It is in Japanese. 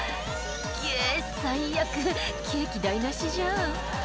「げっ最悪ケーキ台無しじゃん」